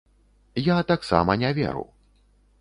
Я таксама не веру.